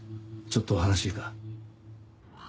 ちょっと話いいか。